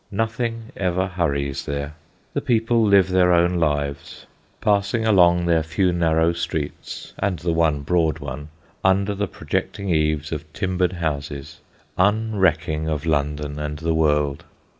Nothing ever hurries there. The people live their own lives, passing along their few narrow streets and the one broad one, under the projecting eaves of timbered houses, unrecking of London and the world.